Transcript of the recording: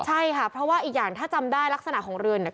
ใช่ค่ะเพราะว่าอีกอย่างถ้าจำได้ลักษณะของเรือนเนี่ย